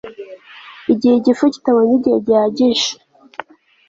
igihe igifu kitabonye igihe gihagije